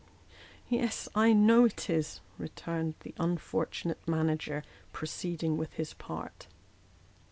" Yes, I know it is," returned the unfortunate manager, proceeding with his part.